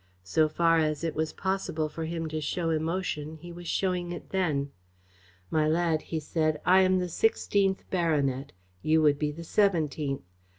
So far as it was possible for him to show emotion, he was showing it then. "My lad," he said, "I am the sixteenth baronet. You would be the seventeenth.